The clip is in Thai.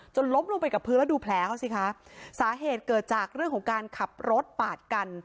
ล้มลงไปกับพื้นแล้วดูแผลเขาสิคะสาเหตุเกิดจากเรื่องของการขับรถปาดกัน